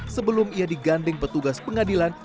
sebelum ia digandeng petugas pengadilan